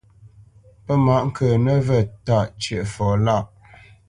Pə́ mǎʼ ŋkə̌ nəvə̂ tâʼ cə̂ʼfɔ lâʼ.